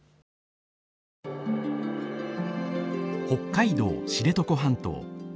北海道知床半島。